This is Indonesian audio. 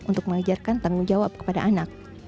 untuk mengajarkan tanggung jawab kepada anak